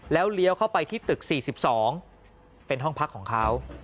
แล้วเลี้ยวเข้าไปที่ตึก๔๒เป็นห้องพักของเขา